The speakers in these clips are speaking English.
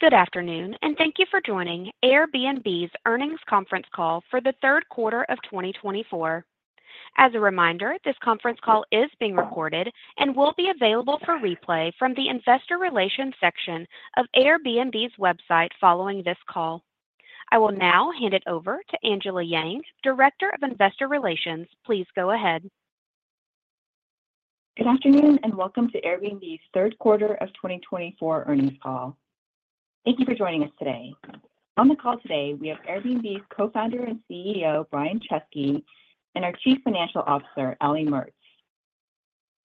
Good afternoon, and thank you for joining Airbnb earnings conference call for the Q3 of 2024. As a reminder, this conference call is being recorded and will be available for replay from the investor relations section of Airbnb website following this call. I will now hand it over to Angela Yang, Director of Investor Relations. Please go ahead. Good afternoon, and welcome to Airbnb Q3 of 2024 earnings call. Thank you for joining us today. On the call today, we have Airbnb Co-founder and CEO, Brian Chesky, and our Chief Financial Officer, Ellie Mertz.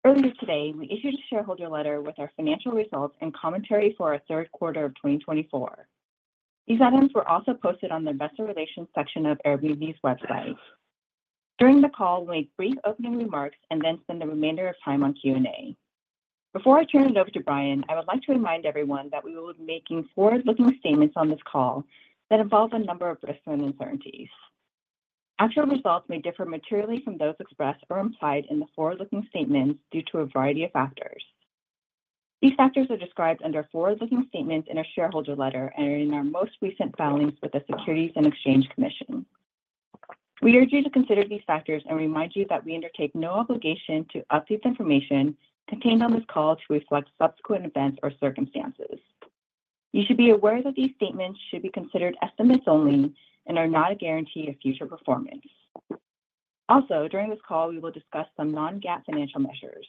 Earlier today, we issued a shareholder letter with our financial results and commentary for our Q3 of 2024. These items were also posted on the investor relations section of Airbnb website. During the call, we'll make brief opening remarks and then spend the remainder of time on Q&A. Before I turn it over to Brian, I would like to remind everyone that we will be making forward-looking statements on this call that involve a number of risks and uncertainties. Actual results may differ materially from those expressed or implied in the forward-looking statements due to a variety of factors. These factors are described under forward-looking statements in our shareholder letter and in our most recent filings with the Securities and Exchange Commission. We urge you to consider these factors and remind you that we undertake no obligation to update the information contained on this call to reflect subsequent events or circumstances. You should be aware that these statements should be considered estimates only and are not a guarantee of future performance. Also, during this call, we will discuss some non-GAAP financial measures.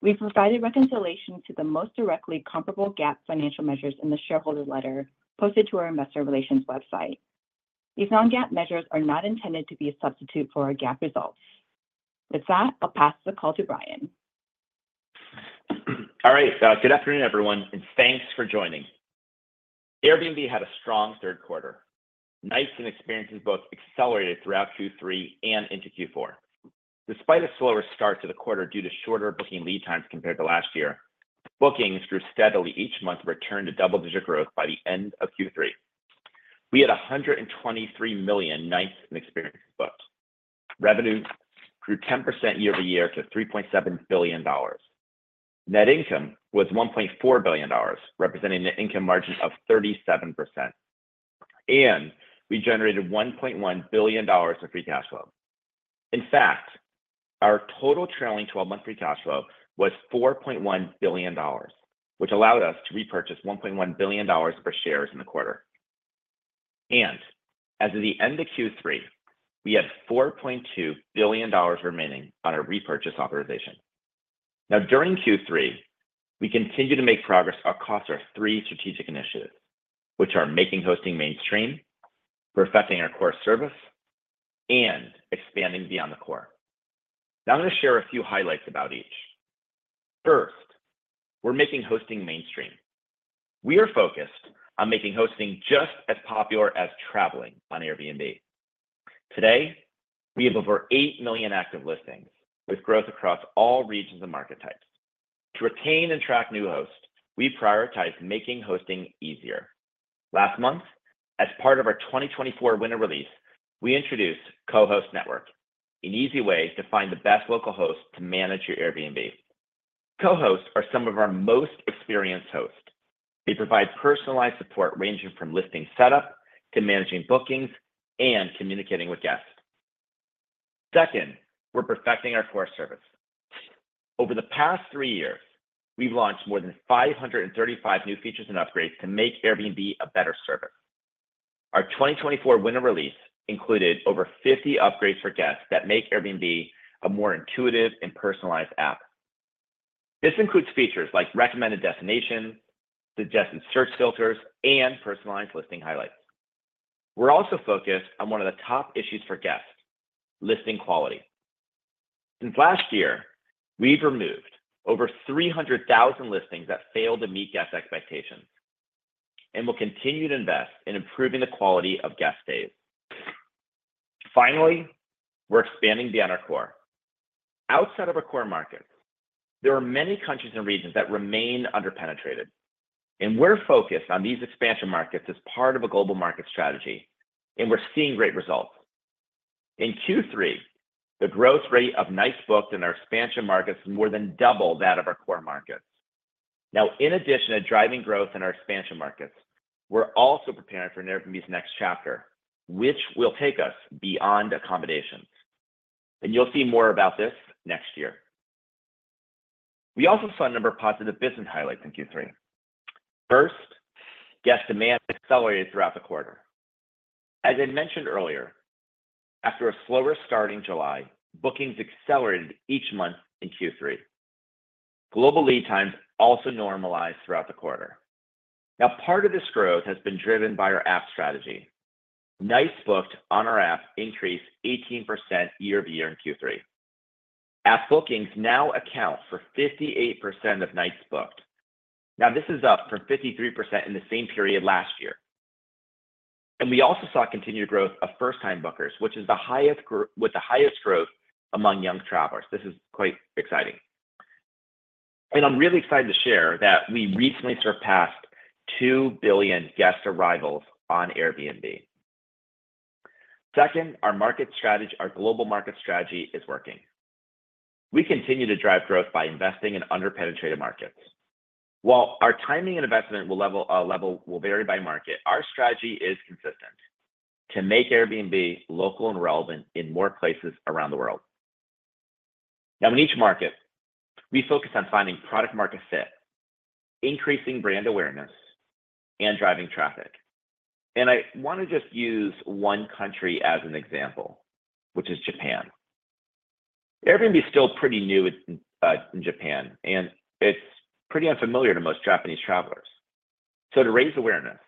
We've provided reconciliation to the most directly comparable GAAP financial measures in the shareholder letter posted to our investor relations website. These non-GAAP measures are not intended to be a substitute for our GAAP results. With that, I'll pass the call to Brian. All right. Good afternoon, everyone, and thanks for joining. Airbnb had a strong Q3. Nights and Experiences both accelerated throughout Q3 and into Q4. Despite a slower start to the quarter due to shorter booking lead times compared to last year, bookings grew steadily each month and returned to double-digit growth by the end of Q3. We had 123 million Nights and Experiences booked. Revenue grew 10% year-over-year to $3.7 billion. Net income was $1.4 billion, representing an income margin of 37%, and we generated $1.1 billion in free cash flow. In fact, our total trailing 12-month free cash flow was $4.1 billion, which allowed us to repurchase $1.1 billion for shares in the quarter, and as of the end of Q3, we had $4.2 billion remaining on our repurchase authorization. Now, during Q3, we continued to make progress across our three strategic initiatives, which are making hosting mainstream, perfecting our core service, and expanding beyond the core. Now I'm going to share a few highlights about each. First, we're making hosting mainstream. We are focused on making hosting just as popular as traveling on Airbnb. Today, we have over eight million active listings with growth across all regions and market types. To retain and track new hosts, we prioritize making hosting easier. Last month, as part of our 2024 Winter Release, we introduced Co-Host Network, an easy way to find the best local host to manage your Airbnb. Co-Hosts are some of our most experienced hosts. They provide personalized support ranging from listing setup to managing bookings and communicating with guests. Second, we're perfecting our core service. Over the past three years, we've launched more than 535 new features and upgrades to make Airbnb a better service. Our 2024 Winter Release included over 50 upgrades for guests that make Airbnb a more intuitive and personalized app. This includes features like recommended destinations, suggested search filters, and personalized listing highlights. We're also focused on one of the top issues for guests: listing quality. Since last year, we've removed over 300,000 listings that failed to meet guest expectations and will continue to invest in improving the quality of guest stays. Finally, we're expanding beyond our core. Outside of our core markets, there are many countries and regions that remain under-penetrated, and we're focused on these expansion markets as part of a global market strategy, and we're seeing great results. In Q3, the growth rate of nights booked in our expansion markets more than doubled that of our core markets. Now, in addition to driving growth in our expansion markets, we're also preparing for Airbnbs next chapter, which will take us beyond accommodations. And you'll see more about this next year. We also saw a number of positive business highlights in Q3. First, guest demand accelerated throughout the quarter. As I mentioned earlier, after a slower start in July, bookings accelerated each month in Q3. Global lead times also normalized throughout the quarter. Now, part of this growth has been driven by our app strategy. Nights booked on our app increased 18% year-over-year in Q3. App bookings now account for 58% of nights booked. Now, this is up from 53% in the same period last year. And we also saw continued growth of first-time bookers, which is the highest with the highest growth among young travelers. This is quite exciting. I'm really excited to share that we recently surpassed 2 billion guest arrivals on Airbnb. Second, our market strategy, our global market strategy, is working. We continue to drive growth by investing in under-penetrated markets. While our timing and investment level will vary by market, our strategy is consistent: to make Airbnb local and relevant in more places around the world. Now, in each market, we focus on finding product-market fit, increasing brand awareness, and driving traffic. I want to just use one country as an example, which is Japan. Airbnb is still pretty new in Japan, and it's pretty unfamiliar to most Japanese travelers. To raise awareness,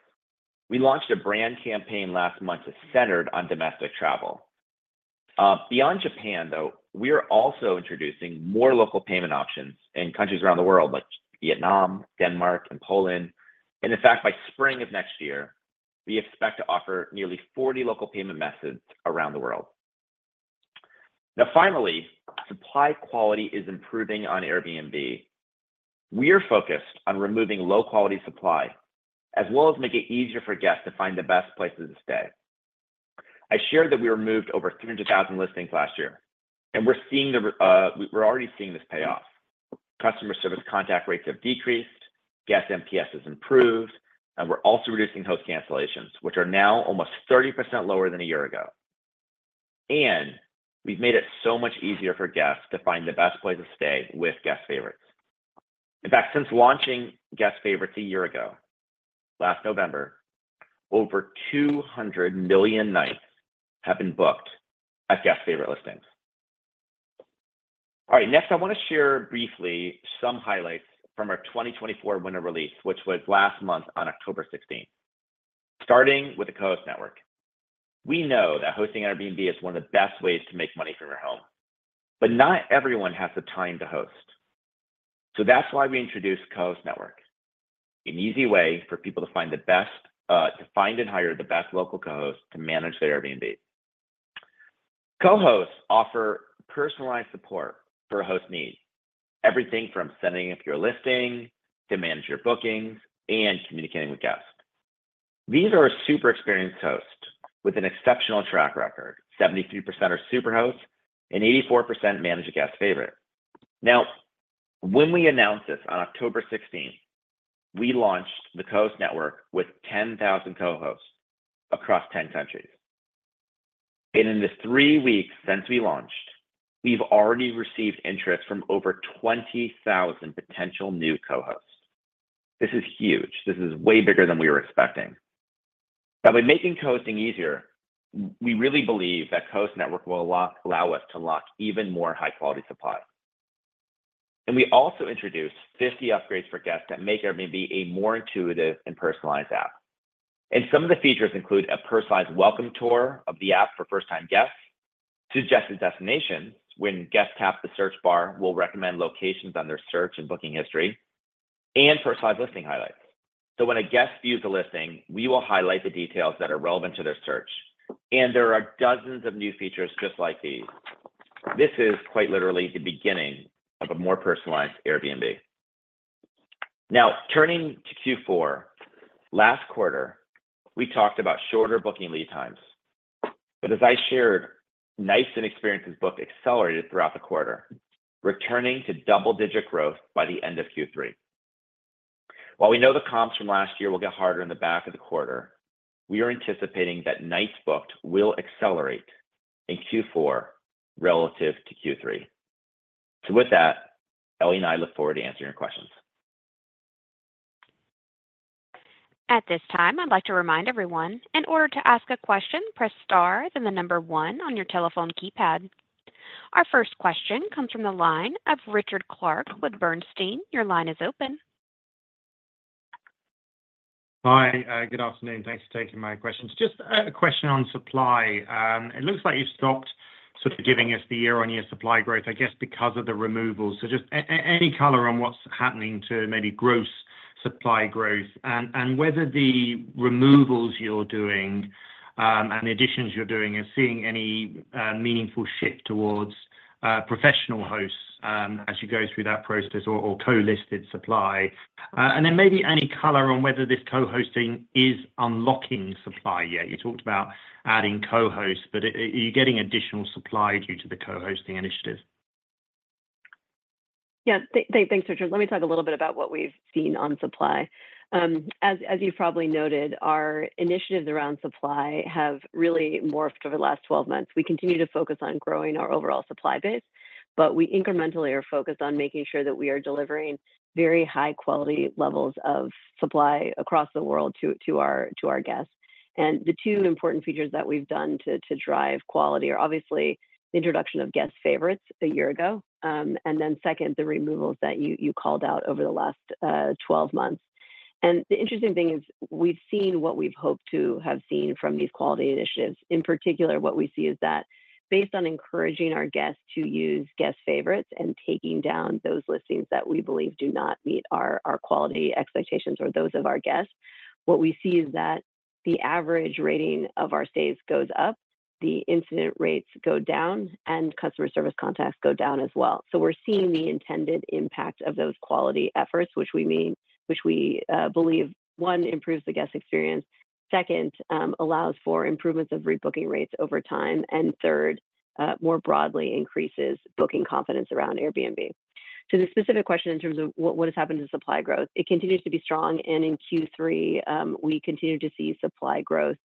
we launched a brand campaign last month that's centered on domestic travel. Beyond Japan, though, we are also introducing more local payment options in countries around the world, like Vietnam, Denmark, and Poland. In fact, by spring of next year, we expect to offer nearly 40 local payment methods around the world. Now, finally, supply quality is improving on Airbnb. We are focused on removing low-quality supply as well as making it easier for guests to find the best places to stay. I shared that we removed over 300,000 listings last year, and we're already seeing this payoff. Customer service contact rates have decreased, Guest NPS has improved, and we're also reducing host cancellations, which are now almost 30% lower than a year ago. We've made it so much easier for guests to find the best place to stay with Guest Favorites. In fact, since launching Guest Favorites a year ago, last November, over 200 million nights have been booked at Guest Favorite listings. All right, next, I want to share briefly some highlights from our 2024 Winter Release, which was last month on October 16th. Starting with the Co-Host Network, we know that hosting Airbnb is one of the best ways to make money from your home, but not everyone has the time to host. So that's why we introduced Co-Host Network, an easy way for people to find the best and hire the best local co-hosts to manage their Airbnb. Co-Host offers personalized support for host needs, everything from setting up your listing to manage your bookings and communicating with guests. These are super experienced hosts with an exceptional track record: 73% are Superhosts and 84% manage a Guest Favorite. Now, when we announced this on October 16th, we launched the Co-Host Network with 10,000 co-hosts across 10 countries. And in the three weeks since we launched, we've already received interest from over 20,000 potential new co-hosts. This is huge. This is way bigger than we were expecting. By making co-hosting easier, we really believe that Co-Host Network will allow us to lock even more high-quality supply. And we also introduced 50 upgrades for guests that make Airbnb a more intuitive and personalized app. And some of the features include a personalized welcome tour of the app for first-time guests, suggested destinations when guests tap the search bar will recommend locations on their search and booking history, and personalized listing highlights. So when a guest views a listing, we will highlight the details that are relevant to their search. And there are dozens of new features just like these. This is quite literally the beginning of a more personalized Airbnb. Now, turning to Q4, last quarter, we talked about shorter booking lead times. But as I shared, Nights and Experiences booked accelerated throughout the quarter, returning to double-digit growth by the end of Q3. While we know the comps from last year will get harder in the back of the quarter, we are anticipating that nights booked will accelerate in Q4 relative to Q3. So with that, Ellie and I look forward to answering your questions. At this time, I'd like to remind everyone, in order to ask a question, press star then the number one on your telephone keypad. Our first question comes from the line of Richard Clarke with Bernstein. Your line is open. Hi, good afternoon. Thanks for taking my questions. Just a question on supply. It looks like you've stopped sort of giving us the year-on-year supply growth, I guess, because of the removal. So just any color on what's happening to maybe gross supply growth and whether the removals you're doing and the additions you're doing are seeing any meaningful shift towards professional hosts as you go through that process or co-listed supply. And then maybe any color on whether this co-hosting is unlocking supply yet. You talked about adding co-hosts, but are you getting additional supply due to the co-hosting initiative? Yeah, thanks, Richard. Let me talk a little bit about what we've seen on supply. As you've probably noted, our initiatives around supply have really morphed over the last 12 months. We continue to focus on growing our overall supply base, but we incrementally are focused on making sure that we are delivering very high-quality levels of supply across the world to our guests. And the two important features that we've done to drive quality are obviously the introduction of Guest Favorites a year ago, and then second, the removals that you called out over the last 12 months. And the interesting thing is we've seen what we've hoped to have seen from these quality initiatives. In particular, what we see is that based on encouraging our guests to use Guest Favorites and taking down those listings that we believe do not meet our quality expectations or those of our guests, what we see is that the average rating of our stays goes up, the incident rates go down, and customer service contacts go down as well, so we're seeing the intended impact of those quality efforts, which we believe, one, improves the guest experience. Second, allows for improvements of rebooking rates over time, and third, more broadly, increases booking confidence around Airbnb. To the specific question in terms of what has happened to supply growth, it continues to be strong, and in Q3, we continue to see supply growth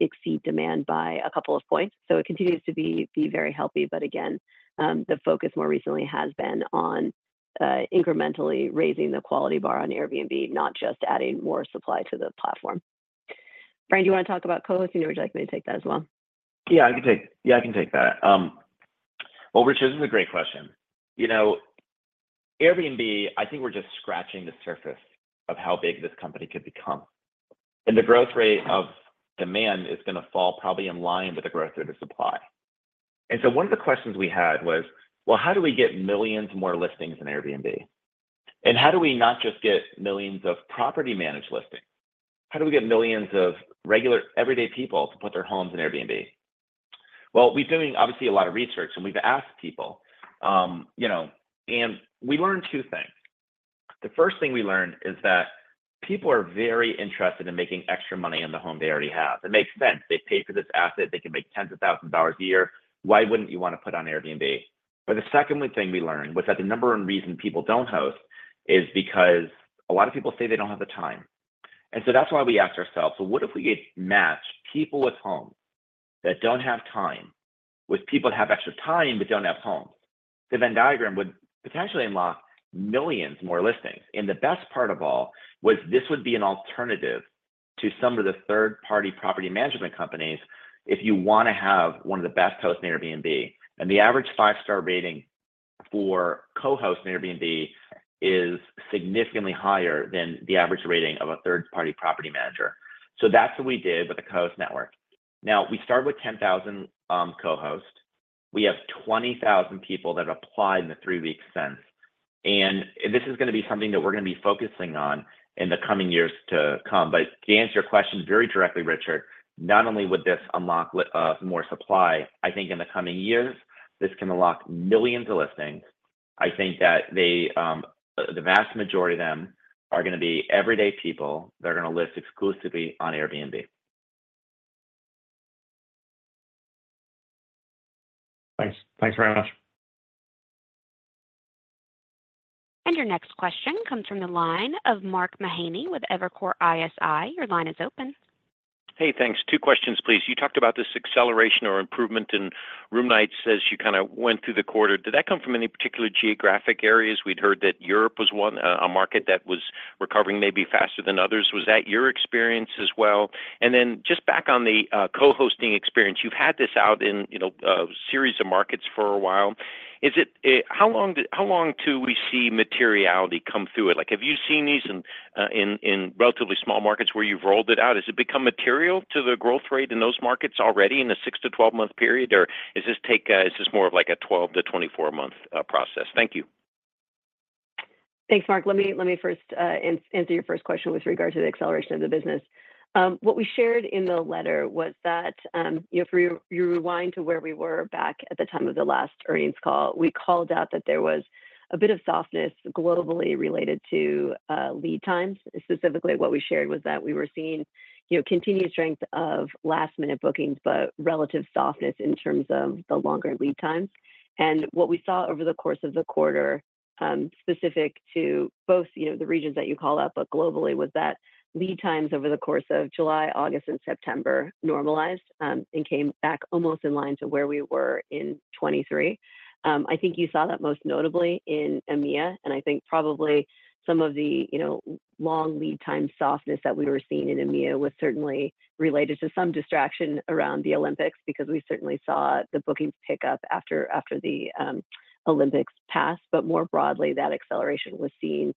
exceed demand by a couple of points, so it continues to be very healthy. But again, the focus more recently has been on incrementally raising the quality bar on Airbnb, not just adding more supply to the platform. Brian, do you want to talk about co-hosting? Would you like me to take that as well? Yeah, I can take that. Well, Richard, this is a great question. Airbnb, I think we're just scratching the surface of how big this company could become. And the growth rate of demand is going to fall probably in line with the growth rate of supply. And so one of the questions we had was, well, how do we get millions more listings in Airbnb? And how do we not just get millions of property-managed listings? How do we get millions of regular everyday people to put their homes in Airbnb? Well, we've been doing obviously a lot of research, and we've asked people. And we learned two things. The first thing we learned is that people are very interested in making extra money on the home they already have. It makes sense. They've paid for this asset. They can make tens of thousands of dollars a year. Why wouldn't you want to put on Airbnb? But the second thing we learned was that the number one reason people don't host is because a lot of people say they don't have the time. And so that's why we asked ourselves, well, what if we match people with homes that don't have time with people that have extra time but don't have homes? The Venn diagram would potentially unlock millions more listings. And the best part of all was this would be an alternative to some of the third-party property management companies if you want to have one of the best hosts on Airbnb. And the average five-star rating for co-hosts on Airbnb is significantly higher than the average rating of a third-party property manager. So that's what we did with the Co-Host Network. Now, we start with 10,000 co-hosts. We have 20,000 people that have applied in the three weeks since. And this is going to be something that we're going to be focusing on in the coming years to come. But to answer your question very directly, Richard, not only would this unlock more supply, I think in the coming years, this can unlock millions of listings. I think that the vast majority of them are going to be everyday people that are going to list exclusively on Airbnb. Thanks. Thanks very much. Your next question comes from the line of Mark Mahaney with Evercore ISI. Your line is open. Hey, thanks. Two questions, please. You talked about this acceleration or improvement in room nights as you kind of went through the quarter. Did that come from any particular geographic areas? We'd heard that Europe was a market that was recovering maybe faster than others. Was that your experience as well? And then just back on the co-hosting experience, you've had this out in a series of markets for a while. How long do we see materiality come through it? Have you seen these in relatively small markets where you've rolled it out? Has it become material to the growth rate in those markets already in a 6-12-month period, or is this more of like a 12-24-month process? Thank you. Thanks, Mark. Let me first answer your first question with regard to the acceleration of the business. What we shared in the letter was that if you rewind to where we were back at the time of the last earnings call, we called out that there was a bit of softness globally related to lead times. Specifically, what we shared was that we were seeing continued strength of last-minute bookings, but relative softness in terms of the longer lead times, and what we saw over the course of the quarter specific to both the regions that you called out, but globally, was that lead times over the course of July, August, and September normalized and came back almost in line to where we were in 2023. I think you saw that most notably in EMEA, and I think probably some of the long lead time softness that we were seeing in EMEA was certainly related to some distraction around the Olympics because we certainly saw the bookings pick up after the Olympics passed, but more broadly, that acceleration was seen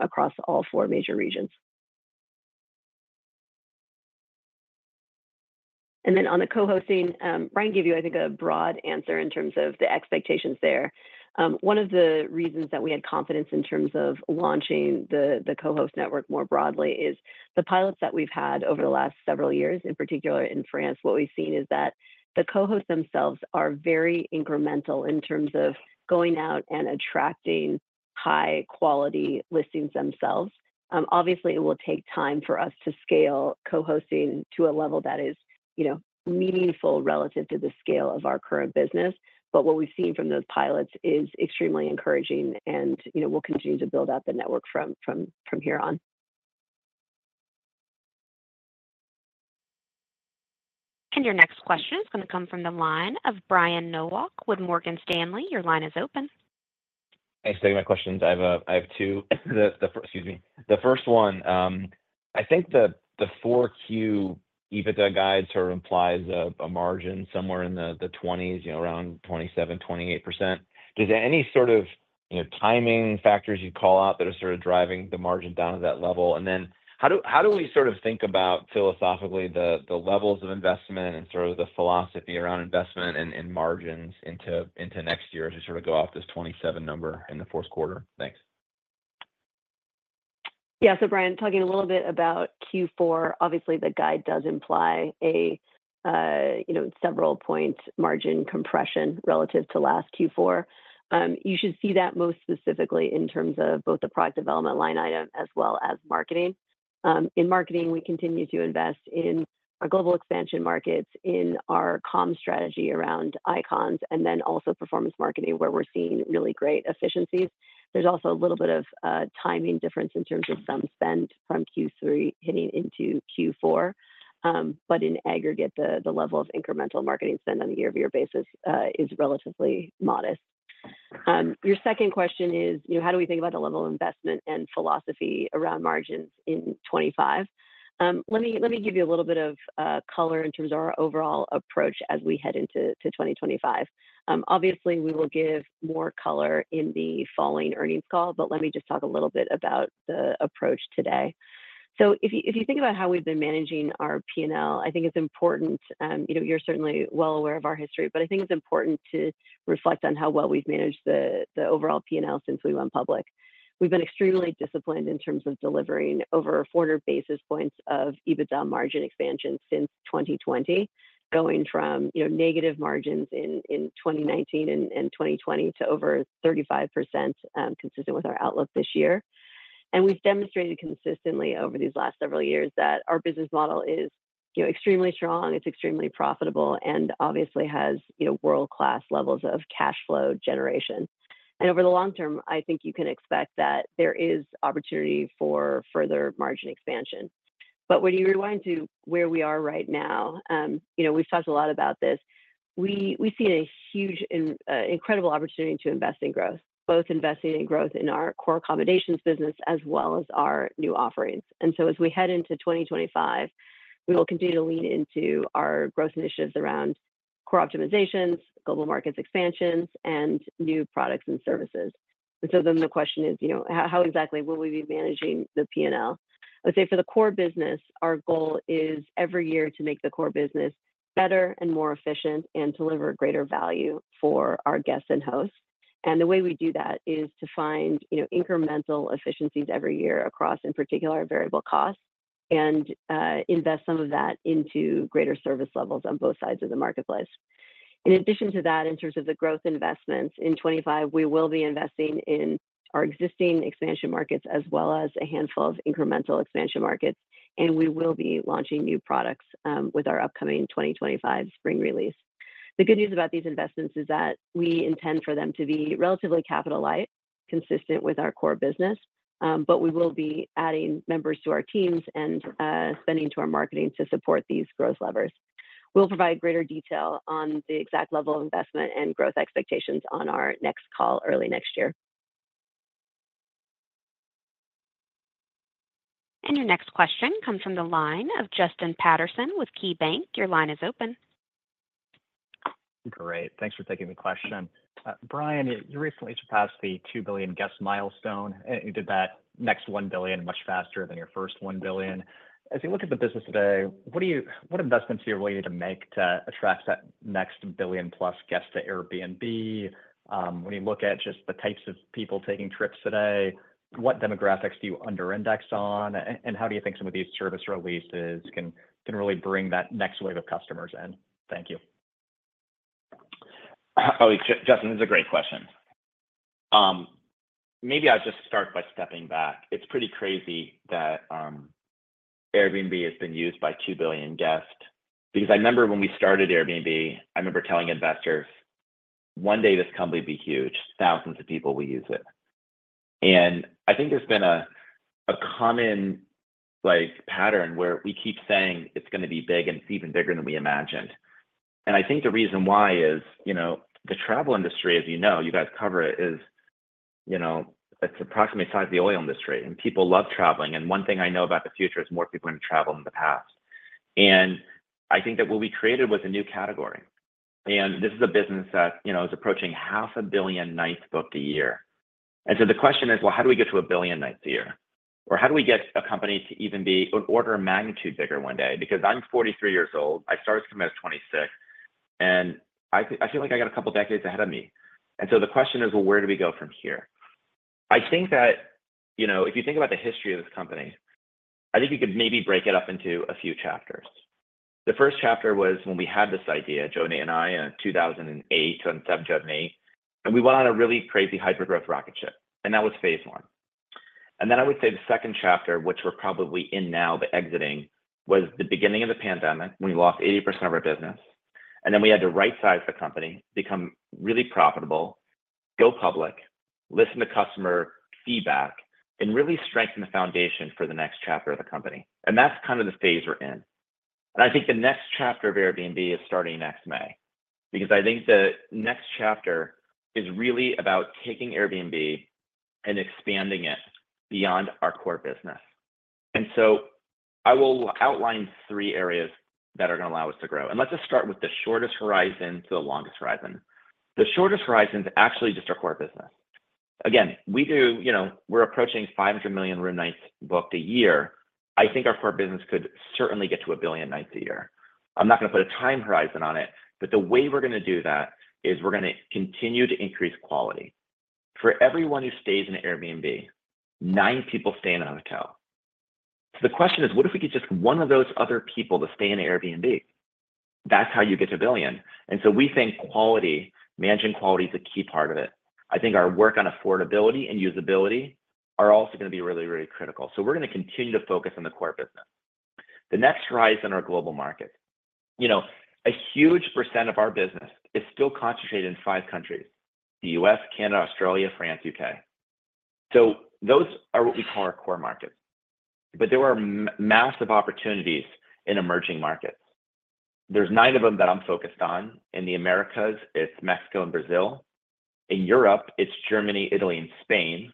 across all four major regions, and then on the co-hosting, Brian gave you, I think, a broad answer in terms of the expectations there. One of the reasons that we had confidence in terms of launching the Co-Host Network more broadly is the pilots that we've had over the last several years, in particular in France. What we've seen is that the co-hosts themselves are very incremental in terms of going out and attracting high-quality listings themselves. Obviously, it will take time for us to scale co-hosting to a level that is meaningful relative to the scale of our current business. But what we've seen from those pilots is extremely encouraging, and we'll continue to build out the network from here on. And your next question is going to come from the line of Brian Nowak with Morgan Stanley. Your line is open. Thanks. I have two. Excuse me. The first one, I think the 4Q EBITDA guide sort of implies a margin somewhere in the 20s, around 27%-28%. Is there any sort of timing factors you'd call out that are sort of driving the margin down to that level? And then how do we sort of think about philosophically the levels of investment and sort of the philosophy around investment and margins into next year as we sort of go off this 27 number in the Q4? Thanks. Yeah. So Brian, talking a little bit about Q4, obviously, the guide does imply a several-point margin compression relative to last Q4. You should see that most specifically in terms of both the product development line item as well as marketing. In marketing, we continue to invest in our global expansion markets, in our comms strategy around Icons, and then also performance marketing where we're seeing really great efficiencies. There's also a little bit of timing difference in terms of some spend from Q3 hitting into Q4. But in aggregate, the level of incremental marketing spend on a year-over-year basis is relatively modest. Your second question is, how do we think about the level of investment and philosophy around margins in 2025? Let me give you a little bit of color in terms of our overall approach as we head into 2025. Obviously, we will give more color in the following earnings call, but let me just talk a little bit about the approach today. So if you think about how we've been managing our P&L, I think it's important. You're certainly well aware of our history, but I think it's important to reflect on how well we've managed the overall P&L since we went public. We've been extremely disciplined in terms of delivering over 3,500 basis points of EBITDA margin expansion since 2020, going from negative margins in 2019 and 2020 to over 35% consistent with our outlook this year, and we've demonstrated consistently over these last several years that our business model is extremely strong. It's extremely profitable and obviously has world-class levels of cash flow generation, and over the long term, I think you can expect that there is opportunity for further margin expansion. When you rewind to where we are right now, we've talked a lot about this. We see a huge, incredible opportunity to invest in growth, both investing in growth in our core accommodations business as well as our new offerings. So as we head into 2025, we will continue to lean into our growth initiatives around core optimizations, global markets expansions, and new products and services. So then the question is, how exactly will we be managing the P&L? I would say for the core business, our goal is every year to make the core business better and more efficient and deliver greater value for our guests and hosts. The way we do that is to find incremental efficiencies every year across, in particular, variable costs and invest some of that into greater service levels on both sides of the marketplace. In addition to that, in terms of the growth investments, in 2025, we will be investing in our existing expansion markets as well as a handful of incremental expansion markets, and we will be launching new products with our upcoming 2025 Spring Release. The good news about these investments is that we intend for them to be relatively capital-light, consistent with our core business, but we will be adding members to our teams and spending to our marketing to support these growth levers. We'll provide greater detail on the exact level of investment and growth expectations on our next call early next year. Your next question comes from the line of Justin Patterson with KeyBanc. Your line is open. Great. Thanks for taking the question. Brian, you recently surpassed the two billion guest milestone. You did that next one billion much faster than your first one billion. As you look at the business today, what investments are you willing to make to attract that next billion-plus guests to Airbnb? When you look at just the types of people taking trips today, what demographics do you under-index on? And how do you think some of these service releases can really bring that next wave of customers in? Thank you. Oh, Justin, this is a great question. Maybe I'll just start by stepping back. It's pretty crazy that Airbnb has been used by 2 billion guests because I remember when we started Airbnb, I remember telling investors, "One day, this company will be huge. Thousands of people will use it," and I think there's been a common pattern where we keep saying it's going to be big and it's even bigger than we imagined, and I think the reason why is the travel industry, as you know, you guys cover it, is it's approximately the size of the oil industry, and people love traveling, and one thing I know about the future is more people are going to travel than in the past, and I think that what we created was a new category, and this is a business that is approaching 500 million nights booked a year. And so the question is, well, how do we get to a billion nights a year? Or how do we get a company to even be an order of magnitude bigger one day? Because I'm 43 years old. I started the company when I was 26. And I feel like I got a couple of decades ahead of me. And so the question is, well, where do we go from here? I think that if you think about the history of this company, I think you could maybe break it up into a few chapters. The first chapter was when we had this idea, Joe and I, in 2008, 2007, 2008. And we went on a really crazy hyper-growth rocket ship. And that was phase one. Then I would say the second chapter, which we're probably in now, but exiting, was the beginning of the pandemic when we lost 80% of our business. Then we had to right-size the company, become really profitable, go public, listen to customer feedback, and really strengthen the foundation for the next chapter of the company. That's kind of the phase we're in. I think the next chapter of Airbnb is starting next May because I think the next chapter is really about taking Airbnb and expanding it beyond our core business. So I will outline three areas that are going to allow us to grow. Let's just start with the shortest horizon to the longest horizon. The shortest horizon is actually just our core business. Again, we're approaching 500 million room nights booked a year. I think our core business could certainly get to a billion nights a year. I'm not going to put a time horizon on it, but the way we're going to do that is we're going to continue to increase quality. For everyone who stays in Airbnb, nine people stay in a hotel. So the question is, what if we get just one of those other people to stay in Airbnb? That's how you get to a billion. And so we think managing quality is a key part of it. I think our work on affordability and usability are also going to be really, really critical. So we're going to continue to focus on the core business. The next horizon are global markets. A huge percent of our business is still concentrated in five countries: the U.S., Canada, Australia, France, U.K. So those are what we call our core markets. But there are massive opportunities in emerging markets. There's nine of them that I'm focused on. In the Americas, it's Mexico and Brazil. In Europe, it's Germany, Italy, and Spain.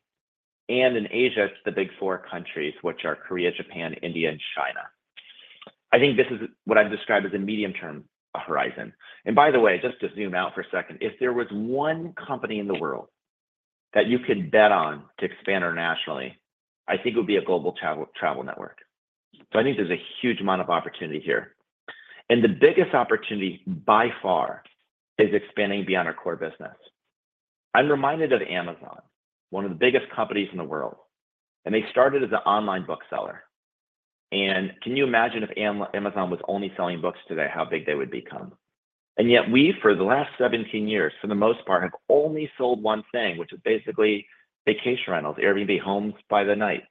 And in Asia, it's the big four countries, which are Korea, Japan, India, and China. I think this is what I'd describe as a medium-term horizon. And by the way, just to zoom out for a second, if there was one company in the world that you could bet on to expand internationally, I think it would be a global travel network. So I think there's a huge amount of opportunity here. And the biggest opportunity by far is expanding beyond our core business. I'm reminded of Amazon, one of the biggest companies in the world. And they started as an online bookseller. And can you imagine if Amazon was only selling books today, how big they would become? And yet we, for the last 17 years, for the most part, have only sold one thing, which is basically vacation rentals, Airbnb homes by the night.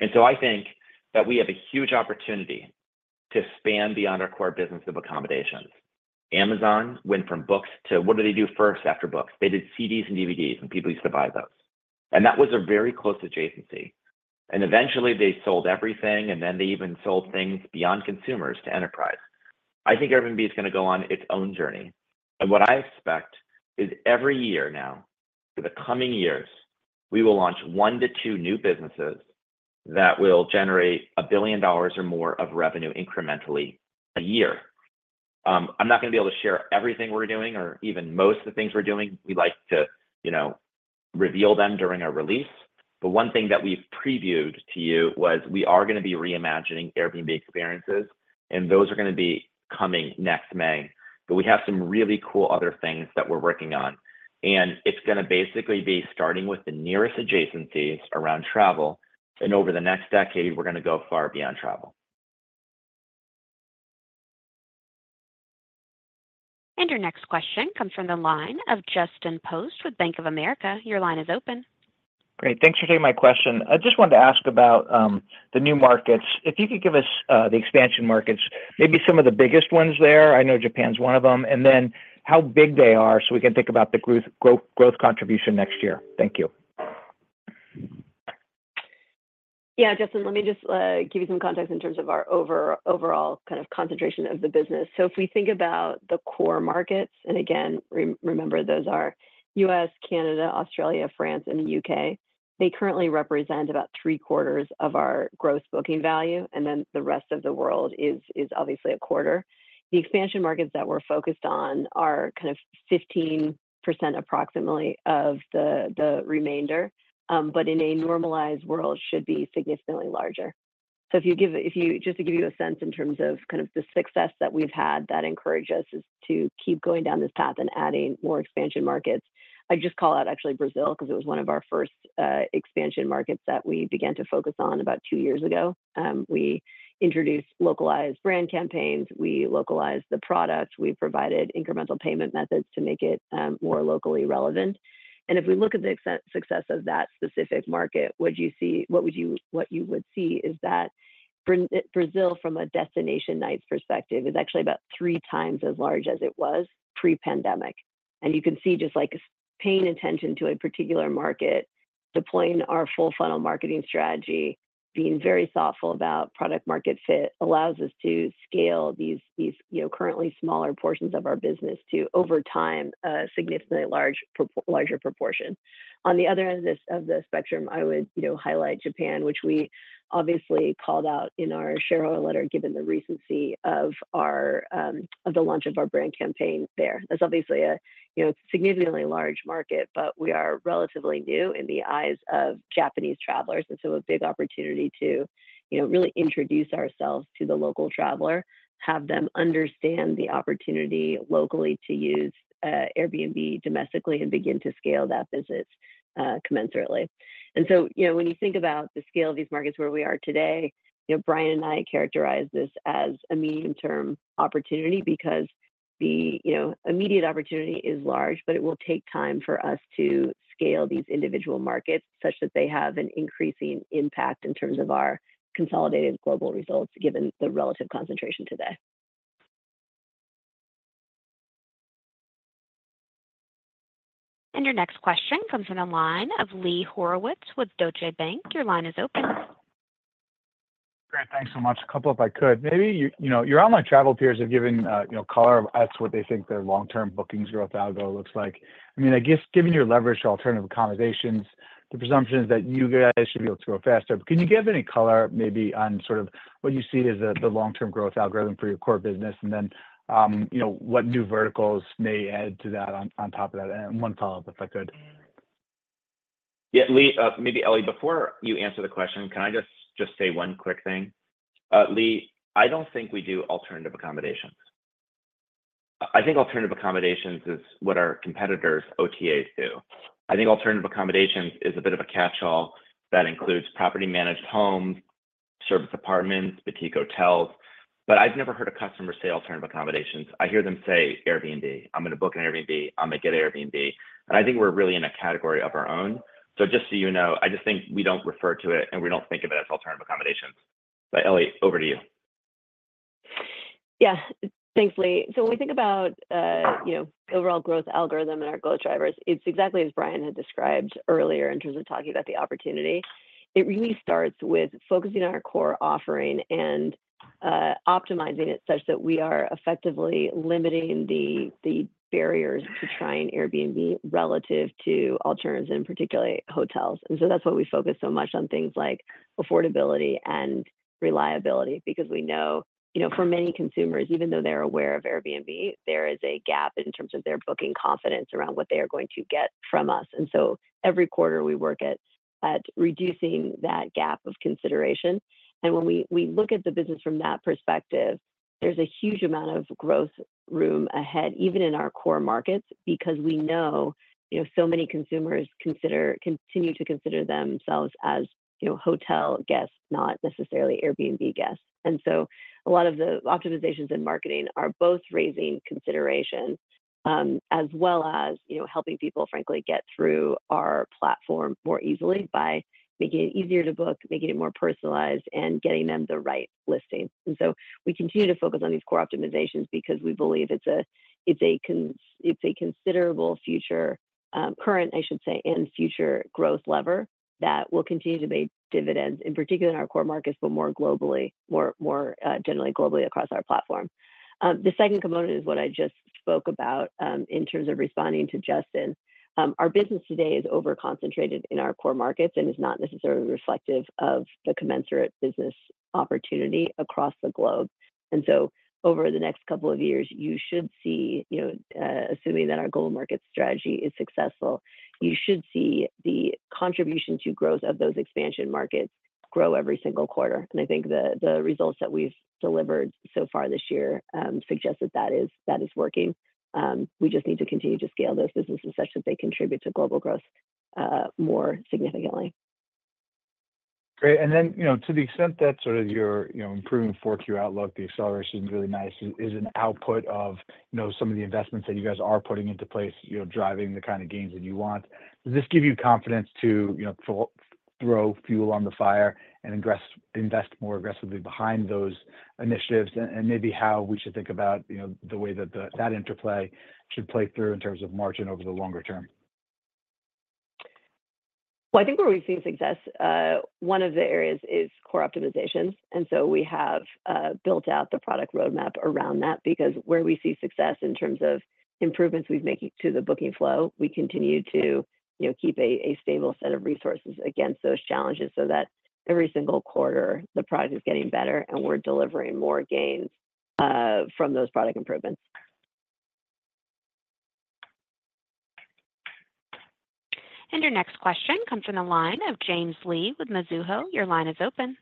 And so I think that we have a huge opportunity to expand beyond our core business of accommodations. Amazon went from books to what do they do first after books? They did CDs and DVDs, and people used to buy those. And that was a very close adjacency. And eventually, they sold everything, and then they even sold things beyond consumers to enterprise. I think Airbnb is going to go on its own journey. And what I expect is every year now, for the coming years, we will launch one to two new businesses that will generate $1 billion or more of revenue incrementally a year. I'm not going to be able to share everything we're doing or even most of the things we're doing. We like to reveal them during our release, but one thing that we've previewed to you was we are going to be reimagining Airbnb Experiences, and those are going to be coming next May, but we have some really cool other things that we're working on, and it's going to basically be starting with the nearest adjacencies around travel, and over the next decade, we're going to go far beyond travel. Your next question comes from the line of Justin Post with Bank of America. Your line is open. Great. Thanks for taking my question. I just wanted to ask about the new markets. If you could give us the expansion markets, maybe some of the biggest ones there. I know Japan's one of them. And then how big they are so we can think about the growth contribution next year. Thank you. Yeah, Justin, let me just give you some context in terms of our overall kind of concentration of the business. So if we think about the core markets, and again, remember those are U.S., Canada, Australia, France, and the U.K., they currently represent about three-quarters of our gross booking value. And then the rest of the world is obviously a quarter. The expansion markets that we're focused on are kind of 15% approximately of the remainder, but in a normalized world, should be significantly larger. So just to give you a sense in terms of kind of the success that we've had, that encourages us to keep going down this path and adding more expansion markets. I just call out actually Brazil because it was one of our first expansion markets that we began to focus on about two years ago. We introduced localized brand campaigns. We localized the products. We provided incremental payment methods to make it more locally relevant, and if we look at the success of that specific market, what you would see is that Brazil, from a destination nights perspective, is actually about three times as large as it was pre-pandemic, and you can see just paying attention to a particular market, deploying our full-funnel marketing strategy, being very thoughtful about product-market fit, allows us to scale these currently smaller portions of our business to, over time, a significantly larger proportion. On the other end of the spectrum, I would highlight Japan, which we obviously called out in our shareholder letter given the recency of the launch of our brand campaign there. That's obviously a significantly large market, but we are relatively new in the eyes of Japanese travelers. And so a big opportunity to really introduce ourselves to the local traveler, have them understand the opportunity locally to use Airbnb domestically and begin to scale that business commensurately. And so when you think about the scale of these markets where we are today, Brian and I characterize this as a medium-term opportunity because the immediate opportunity is large, but it will take time for us to scale these individual markets such that they have an increasing impact in terms of our consolidated global results given the relative concentration today. And your next question comes from the line of Lee Horowitz with Deutsche Bank. Your line is open. Great. Thanks so much. A couple, if I could. Maybe your online travel peers have given color on what they think their long-term bookings growth algorithm looks like. I mean, I guess given your leverage to alternative accommodations, the presumption is that you guys should be able to grow faster. But can you give any color maybe on sort of what you see as the long-term growth algorithm for your core business and then what new verticals may add to that on top of that? And one follow-up, if I could. Yeah, Lee, maybe Ellie, before you answer the question, can I just say one quick thing? Lee, I don't think we do alternative accommodations. I think alternative accommodations is what our competitors' OTAs do. I think alternative accommodations is a bit of a catch-all that includes property-managed homes, service apartments, boutique hotels. But I've never heard a customer say alternative accommodations. I hear them say Airbnb. I'm going to book an Airbnb. I'm going to get an Airbnb. And I think we're really in a category of our own. So just so you know, I just think we don't refer to it, and we don't think of it as alternative accommodations. But Ellie, over to you. Yeah. Thanks, Lee. So when we think about the overall growth algorithm and our growth drivers, it's exactly as Brian had described earlier in terms of talking about the opportunity. It really starts with focusing on our core offering and optimizing it such that we are effectively limiting the barriers to trying Airbnb relative to alternatives, in particular, hotels. And so that's why we focus so much on things like affordability and reliability because we know for many consumers, even though they're aware of Airbnb, there is a gap in terms of their booking confidence around what they are going to get from us. And so every quarter, we work at reducing that gap of consideration. When we look at the business from that perspective, there's a huge amount of growth room ahead, even in our core markets, because we know so many consumers continue to consider themselves as hotel guests, not necessarily Airbnb guests. A lot of the optimizations in marketing are both raising consideration as well as helping people, frankly, get through our platform more easily by making it easier to book, making it more personalized, and getting them the right listing. We continue to focus on these core optimizations because we believe it's a considerable future, current, I should say, and future growth lever that will continue to pay dividends, in particular in our core markets, but more generally globally across our platform. The second component is what I just spoke about in terms of responding to Justin. Our business today is over-concentrated in our core markets and is not necessarily reflective of the commensurate business opportunity across the globe. And so over the next couple of years, you should see, assuming that our global market strategy is successful, you should see the contribution to growth of those expansion markets grow every single quarter. And I think the results that we've delivered so far this year suggest that that is working. We just need to continue to scale those businesses such that they contribute to global growth more significantly. Great, and then to the extent that sort of your improving forward-view outlook, the acceleration is really nice, is an output of some of the investments that you guys are putting into place, driving the kind of gains that you want. Does this give you confidence to throw fuel on the fire and invest more aggressively behind those initiatives? And maybe how we should think about the way that that interplay should play through in terms of margin over the longer term? I think where we see success, one of the areas is core optimizations, and so we have built out the product roadmap around that because where we see success in terms of improvements we've made to the booking flow, we continue to keep a stable set of resources against those challenges so that every single quarter, the product is getting better, and we're delivering more gains from those product improvements. And your next question comes from the line of James Lee with Mizuho. Your line is open.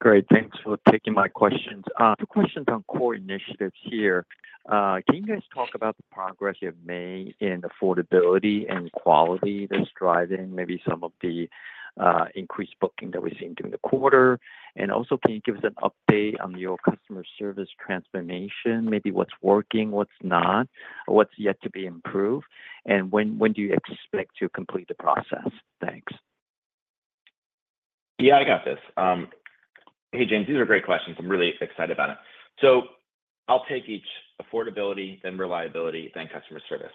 Great. Thanks for taking my questions. Two questions on core initiatives here. Can you guys talk about the progress you have made in affordability and quality that's driving maybe some of the increased booking that we've seen during the quarter? And also, can you give us an update on your customer service transformation, maybe what's working, what's not, what's yet to be improved, and when do you expect to complete the process? Thanks. Yeah, I got this. Hey, James, these are great questions. I'm really excited about it. So I'll take each affordability, then reliability, then customer service.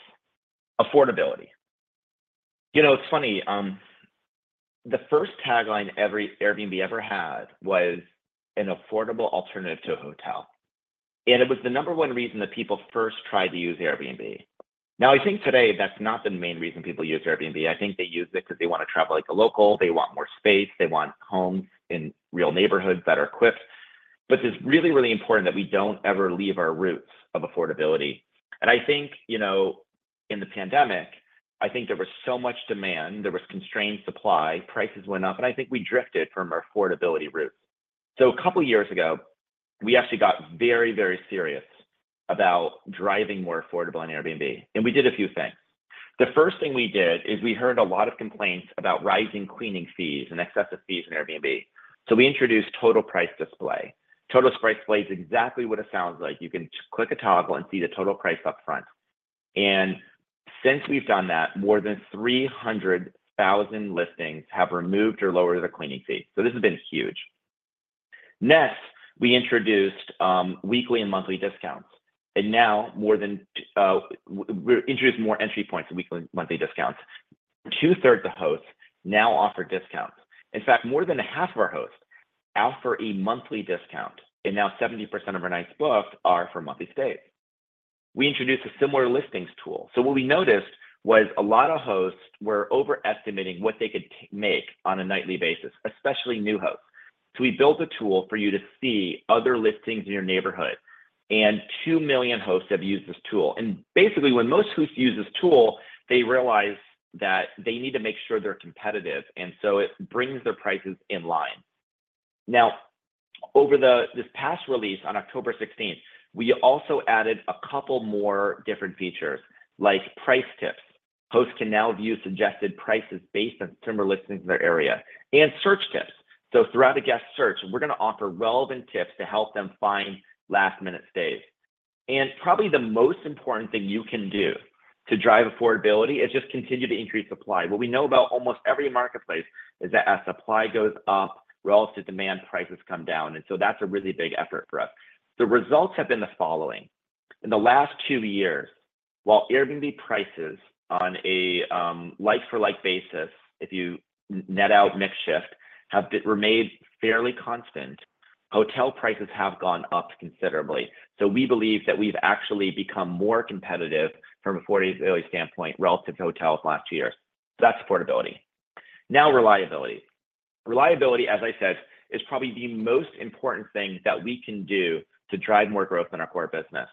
Affordability. It's funny. The first tagline Airbnb ever had was an affordable alternative to a hotel. And it was the number one reason that people first tried to use Airbnb. Now, I think today that's not the main reason people use Airbnb. I think they use it because they want to travel like a local. They want more space. They want homes in real neighborhoods that are equipped. But it's really, really important that we don't ever leave our roots of affordability. And I think in the pandemic, I think there was so much demand. There was constrained supply. Prices went up. And I think we drifted from our affordability roots. A couple of years ago, we actually got very, very serious about driving more affordable on Airbnb. We did a few things. The first thing we did is we heard a lot of complaints about rising cleaning fees and excessive fees on Airbnb. We introduced Total Price Display. Total Price Display is exactly what it sounds like. You can click a toggle and see the total price upfront. Since we've done that, more than 300,000 listings have removed or lowered their cleaning fee. This has been huge. Next, we introduced weekly and monthly discounts. Now we're introducing more entry points and weekly and monthly discounts. Two-thirds of hosts now offer discounts. In fact, more than half of our hosts offer a monthly discount. Now 70% of our nights booked are for monthly stays. We introduced a Similar Listings Tool. What we noticed was a lot of hosts were overestimating what they could make on a nightly basis, especially new hosts. So we built a tool for you to see other listings in your neighborhood. And two million hosts have used this tool. And basically, when most hosts use this tool, they realize that they need to make sure they're competitive. And so it brings their prices in line. Now, over this past release on October 16th, we also added a couple more different features like price tips. Hosts can now view suggested prices based on similar listings in their area and search tips. So throughout a guest search, we're going to offer relevant tips to help them find last-minute stays. And probably the most important thing you can do to drive affordability is just continue to increase supply. What we know about almost every marketplace is that as supply goes up, relative demand prices come down. And so that's a really big effort for us. The results have been the following. In the last two years, while Airbnb prices on a like-for-like basis, if you net out mixed shift, have remained fairly constant, hotel prices have gone up considerably. So we believe that we've actually become more competitive from a 48-hour standpoint relative to hotels last year. That's affordability. Now, reliability. Reliability, as I said, is probably the most important thing that we can do to drive more growth in our core business.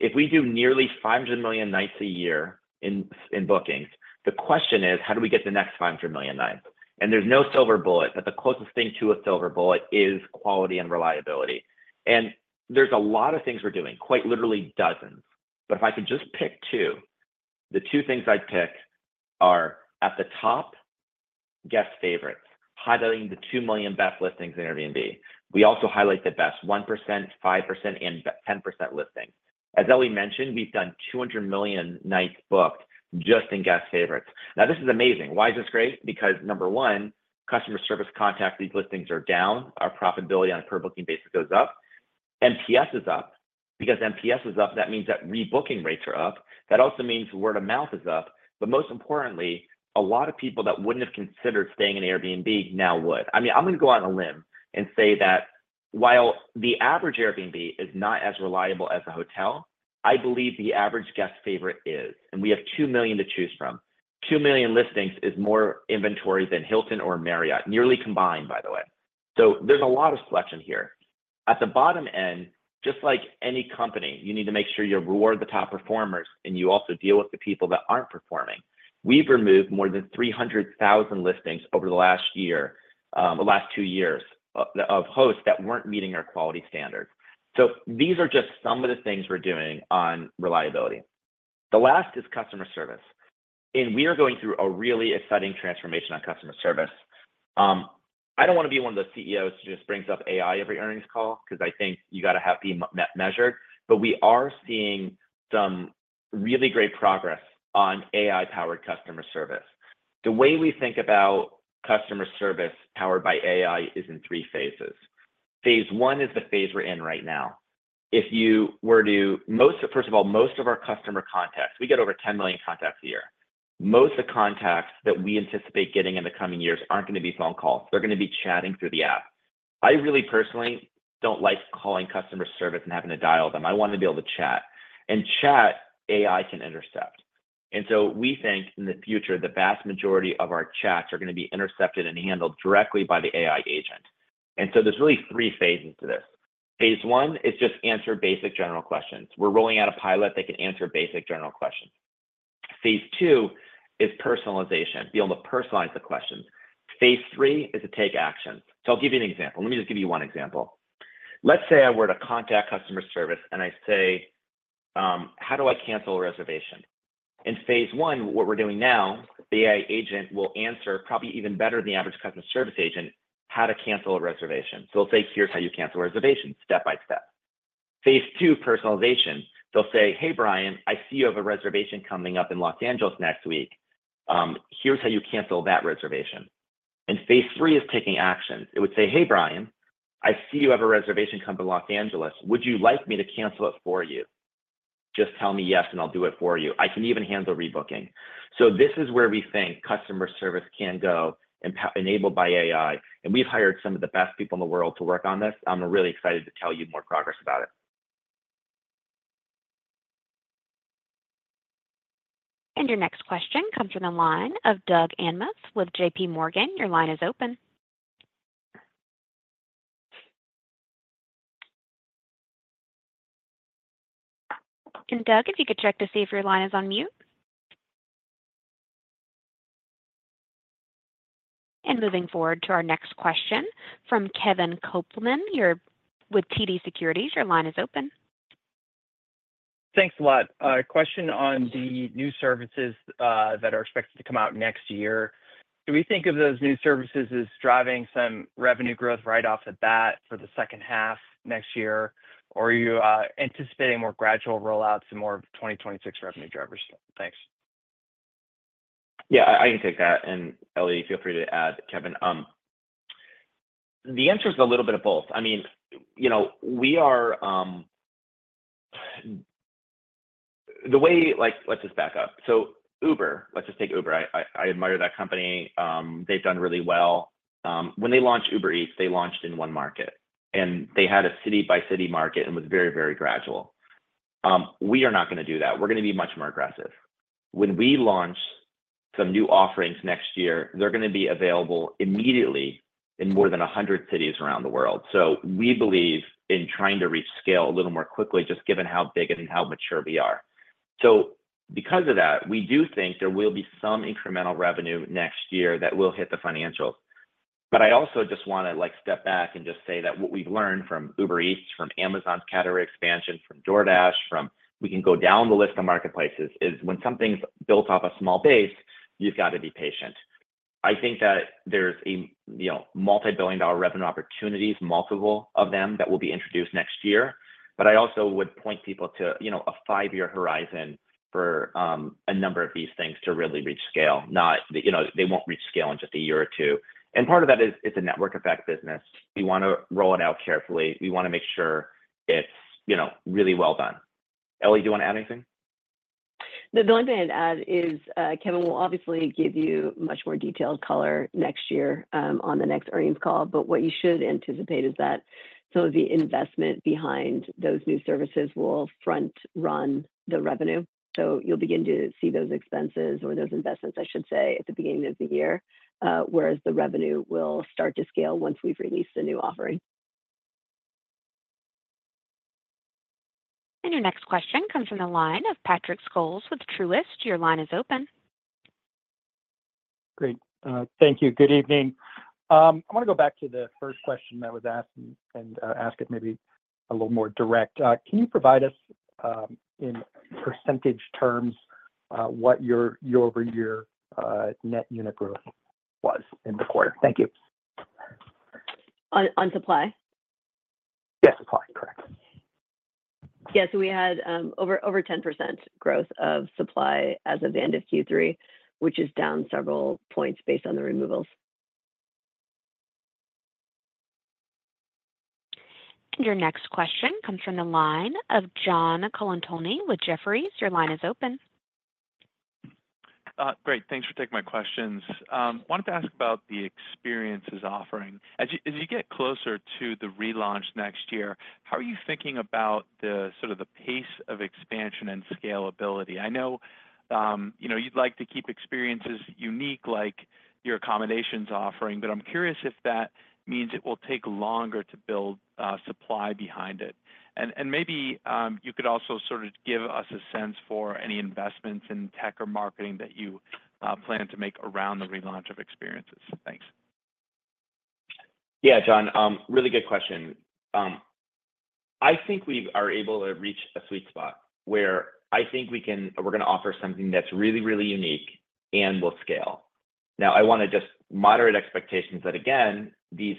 If we do nearly 500 million nights a year in bookings, the question is, how do we get the next 500 million nights? And there's no silver bullet, but the closest thing to a silver bullet is quality and reliability. And there's a lot of things we're doing, quite literally dozens. But if I could just pick two, the two things I'd pick are at the top, Guest Favorites, highlighting the 2 million best listings in Airbnb. We also highlight the best 1%, 5%, and 10% listings. As Ellie mentioned, we've done 200 million nights booked just in Guest Favorites. Now, this is amazing. Why is this great? Because, number one, customer service contact, these listings are down. Our profitability on a per-booking basis goes up. MPS is up. Because MPS is up, that means that rebooking rates are up. That also means word of mouth is up. But most importantly, a lot of people that wouldn't have considered staying in Airbnb now would. I mean, I'm going to go on a limb and say that while the average Airbnb is not as reliable as a hotel, I believe the average Guest Favorite is, and we have 2 million to choose from. 2 million listings is more inventory than Hilton or Marriott, nearly combined, by the way. So there's a lot of selection here. At the bottom end, just like any company, you need to make sure you reward the top performers, and you also deal with the people that aren't performing. We've removed more than 300,000 listings over the last two years of hosts that weren't meeting our quality standards. So these are just some of the things we're doing on reliability. The last is customer service, and we are going through a really exciting transformation on customer service. I don't want to be one of the CEOs who just brings up AI every earnings call because I think you got to be measured. But we are seeing some really great progress on AI-powered customer service. The way we think about customer service powered by AI is in three phases. Phase I is the phase we're in right now. If you were to, first of all, most of our customer contacts, we get over 10 million contacts a year. Most of the contacts that we anticipate getting in the coming years aren't going to be phone calls. They're going to be chatting through the app. I really personally don't like calling customer service and having to dial them. I want to be able to chat. And chat, AI can intercept. We think in the future, the vast majority of our chats are going to be intercepted and handled directly by the AI agent. There's really three phases to this. Phase I is just answer basic general questions. We're rolling out a pilot that can answer basic general questions. Phase II is personalization, be able to personalize the questions. Phase III is to take action. I'll give you an example. Let me just give you one example. Let's say I were to contact customer service and I say, "How do I cancel a reservation?" In phase one, what we're doing now, the AI agent will answer probably even better than the average customer service agent how to cancel a reservation. They'll say, "Here's how you cancel a reservation, step by step." Phase two, personalization. They'll say, "Hey, Brian, I see you have a reservation coming up in Los Angeles next week. Here's how you cancel that reservation." And phase three is taking action. It would say, "Hey, Brian, I see you have a reservation coming to Los Angeles. Would you like me to cancel it for you? Just tell me yes, and I'll do it for you. I can even handle rebooking." So this is where we think customer service can go enabled by AI. And we've hired some of the best people in the world to work on this. I'm really excited to tell you more progress about it. Your next question comes from the line of Doug Anmuth with JPMorgan. Your line is open. Doug, if you could check to see if your line is on mute. Moving forward to our next question from Kevin Kopelman with TD Securities, your line is open. Thanks a lot. Question on the new services that are expected to come out next year. Do we think of those new services as driving some revenue growth right off the bat for the H2 next year, or are you anticipating more gradual rollouts and more 2026 revenue drivers? Thanks. Yeah, I can take that. And Ellie, feel free to add, Kevin. The answer is a little bit of both. I mean, let's just back up. So Uber, let's just take Uber. I admire that company. They've done really well. When they launched Uber Eats, they launched in one market. And they had a city-by-city market and was very, very gradual. We are not going to do that. We're going to be much more aggressive. When we launch some new offerings next year, they're going to be available immediately in more than 100 cities around the world. So we believe in trying to reach scale a little more quickly, just given how big and how mature we are. So because of that, we do think there will be some incremental revenue next year that will hit the financials. But I also just want to step back and just say that what we've learned from Uber Eats, from Amazon's category expansion, from DoorDash, from we can go down the list of marketplaces is when something's built off a small base, you've got to be patient. I think that there's multi-billion-dollar revenue opportunities, multiple of them that will be introduced next year. But I also would point people to a five-year horizon for a number of these things to really reach scale. They won't reach scale in just a year or two. And part of that is it's a network-effect business. We want to roll it out carefully. We want to make sure it's really well done. Ellie, do you want to add anything? The only thing I'd add is Kevin will obviously give you much more detailed color next year on the next earnings call. But what you should anticipate is that some of the investment behind those new services will front-run the revenue. So you'll begin to see those expenses or those investments, I should say, at the beginning of the year, whereas the revenue will start to scale once we've released a new offering. And your next question comes from the line of Patrick Scholes with Truist. Your line is open. Great. Thank you. Good evening. I want to go back to the first question that was asked and ask it maybe a little more direct. Can you provide us in percentage terms what your year-over-year net unit growth was in the quarter? Thank you. On supply? Yes, supply. Correct. Yeah. So we had over 10% growth of supply as of the end of Q3, which is down several points based on the removals. And your next question comes from the line of John Colantuoni with Jefferies. Your line is open. Great. Thanks for taking my questions. Wanted to ask about the experiences offering. As you get closer to the relaunch next year, how are you thinking about the sort of pace of expansion and scalability? I know you'd like to keep experiences unique like your accommodations offering, but I'm curious if that means it will take longer to build supply behind it. And maybe you could also sort of give us a sense for any investments in tech or marketing that you plan to make around the relaunch of experiences. Thanks. Yeah, John, really good question. I think we are able to reach a sweet spot where I think we're going to offer something that's really, really unique and will scale. Now, I want to just moderate expectations that, again, these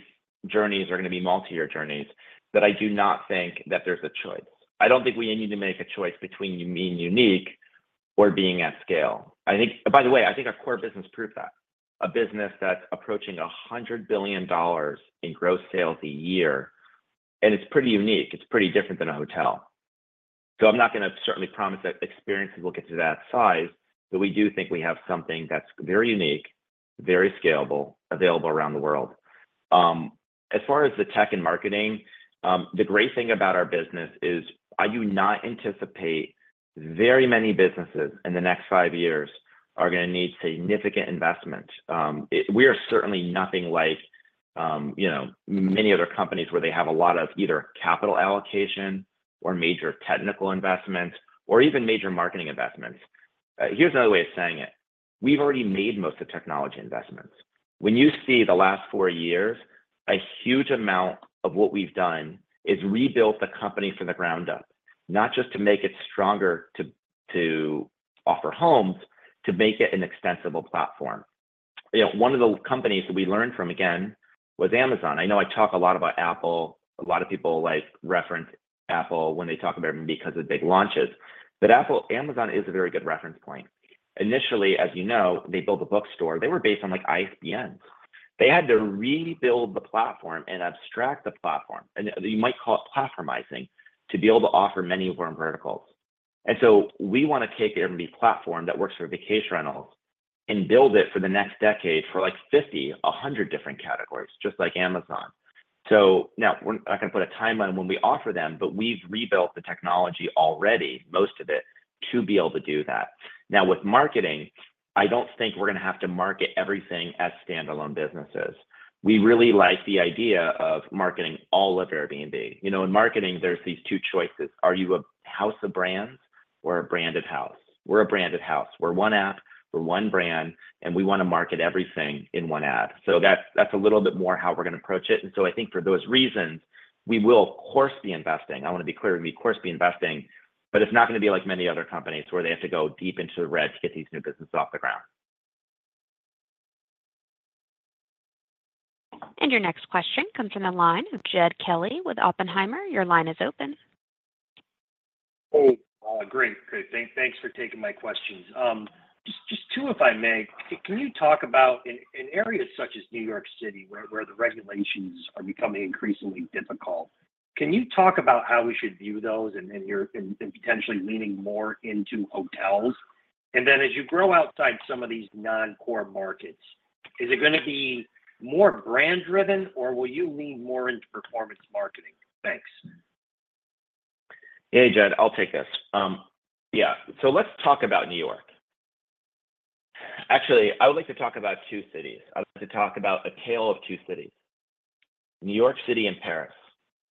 journeys are going to be multi-year journeys, that I do not think that there's a choice. I don't think we need to make a choice between being unique or being at scale. By the way, I think our core business proved that. A business that's approaching $100 billion in gross sales a year, and it's pretty unique. It's pretty different than a hotel. So I'm not going to certainly promise that experiences will get to that size, but we do think we have something that's very unique, very scalable, available around the world. As far as the tech and marketing, the great thing about our business is I do not anticipate very many businesses in the next five years are going to need significant investment. We are certainly nothing like many other companies where they have a lot of either capital allocation or major technical investments or even major marketing investments. Here's another way of saying it. We've already made most of the technology investments. When you see the last four years, a huge amount of what we've done is rebuild the company from the ground up, not just to make it stronger to offer homes, to make it an extensible platform. One of the companies that we learned from, again, was Amazon. I know I talk a lot about Apple. A lot of people reference Apple when they talk about it because of big launches. But Amazon is a very good reference point. Initially, as you know, they built a bookstore. They were based on ISBNs. They had to rebuild the platform and abstract the platform. And you might call it platformizing to be able to offer many of our verticals. And so we want to take every platform that works for vacation rentals and build it for the next decade for like 50, 100 different categories, just like Amazon. So now we're not going to put a timeline when we offer them, but we've rebuilt the technology already, most of it, to be able to do that. Now, with marketing, I don't think we're going to have to market everything as standalone businesses. We really like the idea of marketing all of Airbnb. In marketing, there's these two choices. Are you a house of brands or a branded house? We're a branded house. We're one app. We're one brand. And we want to market everything in one ad. So that's a little bit more how we're going to approach it. And so I think for those reasons, we will, of course, be investing. I want to be clear. We will, of course, be investing, but it's not going to be like many other companies where they have to go deep into the red to get these new businesses off the ground. And your next question comes from the line of Jed Kelly with Oppenheimer. Your line is open. Hey. Great. Great. Thanks for taking my questions. Just two, if I may. Can you talk about, in areas such as New York City, where the regulations are becoming increasingly difficult, how we should view those and potentially leaning more into hotels? And then as you grow outside some of these non-core markets, is it going to be more brand-driven, or will you lean more into performance marketing? Thanks. Hey, Jed. I'll take this. Yeah, so let's talk about New York. Actually, I would like to talk about two cities. I'd like to talk about a tale of two cities, New York City and Paris,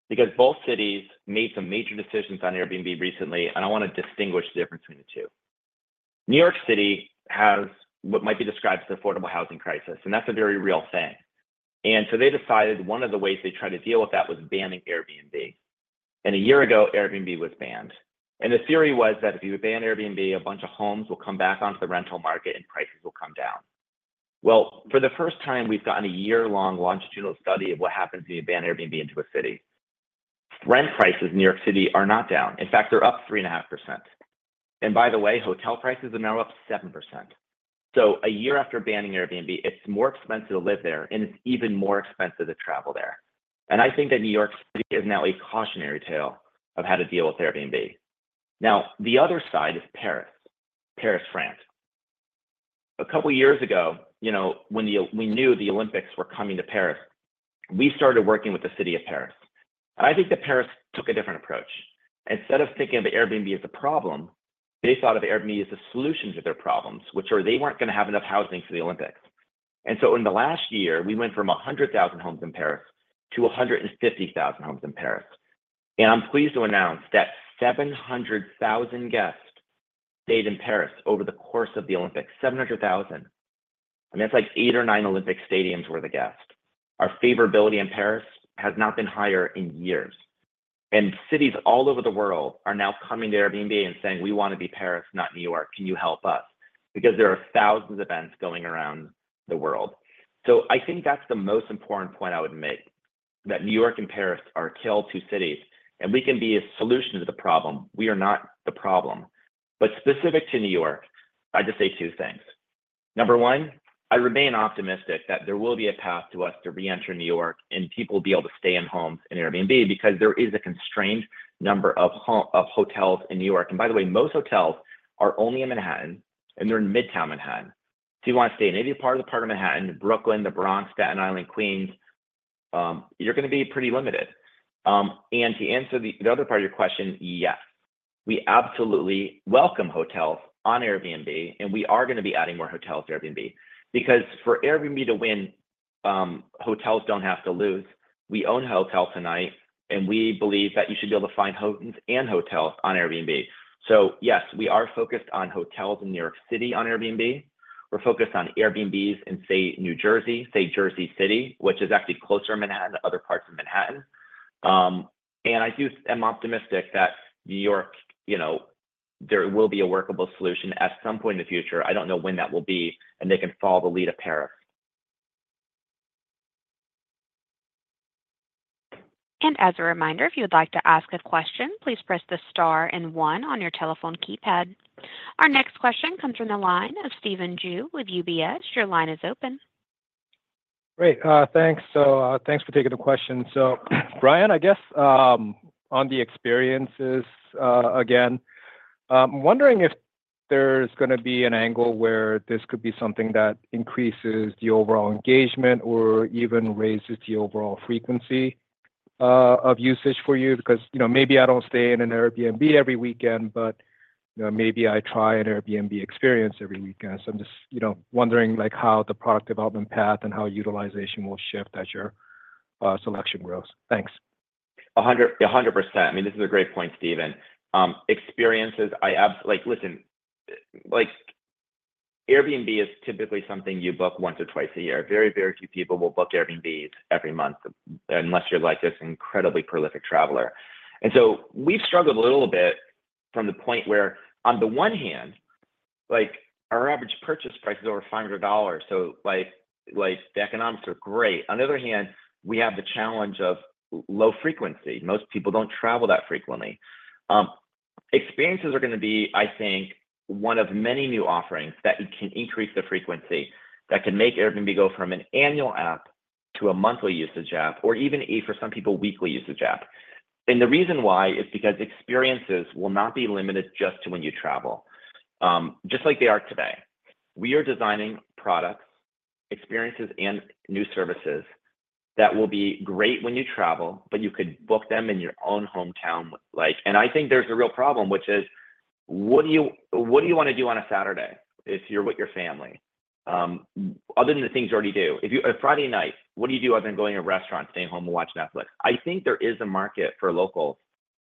because both cities made some major decisions on Airbnb recently, and I want to distinguish the difference between the two. New York City has what might be described as the affordable housing crisis, and that's a very real thing, and so they decided one of the ways they tried to deal with that was banning Airbnb, and a year ago, Airbnb was banned, and the theory was that if you would ban Airbnb, a bunch of homes will come back onto the rental market and prices will come down, well, for the first time, we've gotten a year-long longitudinal study of what happens if you ban Airbnb into a city. Rent prices in New York City are not down. In fact, they're up 3.5%. And by the way, hotel prices are now up 7%. So a year after banning Airbnb, it's more expensive to live there, and it's even more expensive to travel there. And I think that New York City is now a cautionary tale of how to deal with Airbnb. Now, the other side is Paris, Paris, France. A couple of years ago, when we knew the Olympics were coming to Paris, we started working with the city of Paris. And I think that Paris took a different approach. Instead of thinking of Airbnb as a problem, they thought of Airbnb as a solution to their problems, which are they weren't going to have enough housing for the Olympics. And so in the last year, we went from 100,000 homes in Paris to 150,000 homes in Paris. And I'm pleased to announce that 700,000 guests stayed in Paris over the course of the Olympics, 700,000. I mean, that's like eight or nine Olympic stadiums worth of guests. Our favorability in Paris has not been higher in years. And cities all over the world are now coming to Airbnb and saying, "We want to be Paris, not New York. Can you help us?" Because there are thousands of events going around the world. So I think that's the most important point I would make, that New York and Paris are a tale of two cities. And we can be a solution to the problem. We are not the problem. But specific to New York, I'd just say two things. Number one, I remain optimistic that there will be a path for us to re-enter New York and people will be able to stay in homes on Airbnb because there is a constrained number of hotels in New York. By the way, most hotels are only in Manhattan, and they're in Midtown Manhattan. If you want to stay in any part of Manhattan, Brooklyn, the Bronx, Staten Island, Queens, you're going to be pretty limited. To answer the other part of your question, yes, we absolutely welcome hotels on Airbnb, and we are going to be adding more hotels to Airbnb. For Airbnb to win, hotels don't have to lose. We own HotelTonight, and we believe that you should be able to find homes and hotels on Airbnb. Yes, we are focused on hotels in New York City on Airbnb. We're focused on Airbnbs in, say, New Jersey, say, Jersey City, which is actually closer to Manhattan than other parts of Manhattan, and I am optimistic that New York, there will be a workable solution at some point in the future. I don't know when that will be, and they can follow the lead of Paris. And as a reminder, if you would like to ask a question, please press the star and one on your telephone keypad. Our next question comes from the line of Stephen Ju with UBS. Your line is open. Great. Thanks. So thanks for taking the question. So Brian, I guess on the experiences again, I'm wondering if there's going to be an angle where this could be something that increases the overall engagement or even raises the overall frequency of usage for you because maybe I don't stay in an Airbnb every weekend, but maybe I try an Airbnb experience every weekend. So I'm just wondering how the product development path and how utilization will shift as your selection grows. Thanks. 100%. I mean, this is a great point, Stephen. Experiences, I absolutely listen. Airbnb is typically something you book once or twice a year. Very, very few people will book Airbnbs every month unless you're this incredibly prolific traveler. And so we've struggled a little bit from the point where, on the one hand, our average purchase price is over $500. So the economics are great. On the other hand, we have the challenge of low frequency. Most people don't travel that frequently. Experiences are going to be, I think, one of many new offerings that can increase the frequency, that can make Airbnb go from an annual app to a monthly usage app, or even for some people, weekly usage app. And the reason why is because experiences will not be limited just to when you travel, just like they are today. We are designing products, experiences, and new services that will be great when you travel, but you could book them in your own hometown. And I think there's a real problem, which is, what do you want to do on a Saturday if you're with your family? Other than the things you already do, if Friday night, what do you do other than going to a restaurant, staying home, and watch Netflix? I think there is a market for locals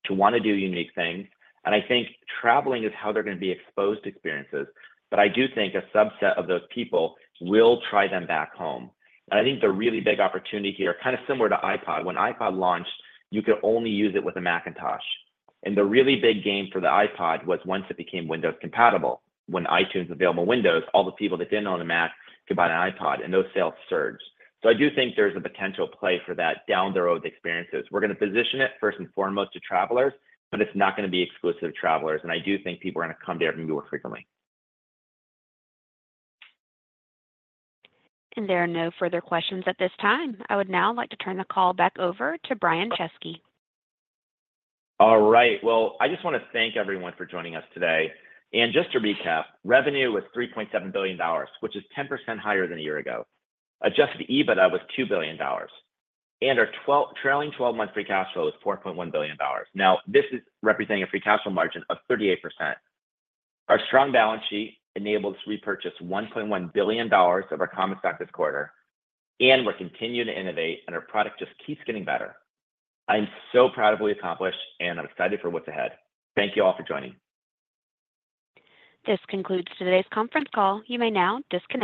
to want to do unique things. And I think traveling is how they're going to be exposed to experiences. But I do think a subset of those people will try them back home. And I think the really big opportunity here, kind of similar to iPod. When iPod launched, you could only use it with a Macintosh. The really big game for the iPod was once it became Windows compatible. When iTunes was available on Windows, all the people that didn't own a Mac could buy an iPod, and those sales surged. I do think there's a potential play for that down the road experiences. We're going to position it, first and foremost, to travelers, but it's not going to be exclusive to travelers. I do think people are going to come to Airbnb more frequently. There are no further questions at this time. I would now like to turn the call back over to Brian Chesky. All right. Well, I just want to thank everyone for joining us today, and just to recap, revenue was $3.7 billion, which is 10% higher than a year ago. Adjusted EBITDA was $2 billion, and our trailing 12-month free cash flow was $4.1 billion. Now, this is representing a free cash flow margin of 38%. Our strong balance sheet enables repurchase $1.1 billion of our common stock this quarter, and we're continuing to innovate, and our product just keeps getting better. I'm so proud of what we accomplished, and I'm excited for what's ahead. Thank you all for joining. This concludes today's conference call. You may now disconnect.